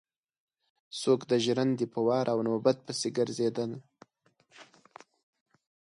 څوک د ژرندې په وار او نوبت پسې ګرځېدل.